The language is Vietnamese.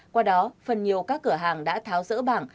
qua đó phần nhiều các cửa hàng đã tháo rỡ bảng